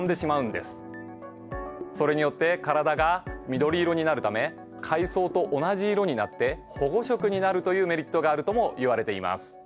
それによって体が緑色になるため海藻と同じ色になって保護色になるというメリットがあるともいわれています。